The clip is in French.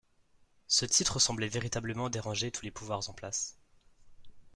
Ce titre semblait véritablement déranger tous les pouvoirs en place.